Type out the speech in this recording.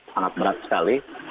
sangat berat sekali